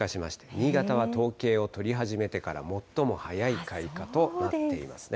新潟は統計を取り始めてから最も早い開花となっていますね。